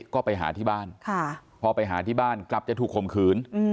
ก็ไปหาที่บ้านพอไปหาที่บ้านกลับจะถูกข่มขืน